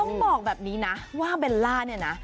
ต้องบอกแบบนี้นะว่าเบลล่าเนี่ยนะ